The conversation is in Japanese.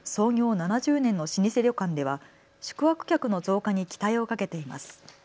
７０年の老舗旅館では宿泊客の増加に期待をかけています。